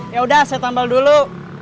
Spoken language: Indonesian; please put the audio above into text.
yaudah saya tambal dulu